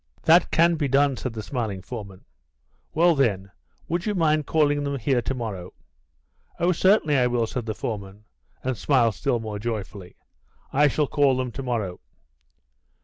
"That can be done," said the smiling foreman. "Well, then, would you mind calling them here to morrow?" "Oh, certainly I will," said the foreman, and smiled still more joyfully. "I shall call them to morrow."